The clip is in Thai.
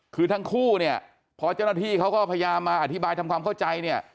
คือทั้งคู่เนี่ยพอเจ้าหน้าที่เขาก็พยายามมาอธิบายทำความเข้าใจเนี่ย